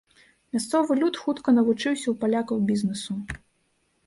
Мясцовы люд хутка навучыўся ў палякаў бізнесу.